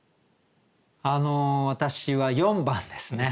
私は４番ですね。